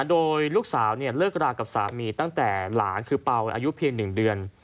โดยลูกสาวเลิกรากับสามีตั้งแต่หลานคือเป่าอายุเพียง๑เดือน